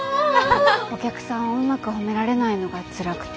お客さんをうまく褒められないのがつらくて。